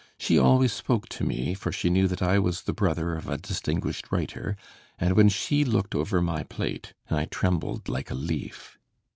She always spoke to me, for she knew that I was the brother of a distinguished writer, and when she looked over my plate I trembled like a leaf.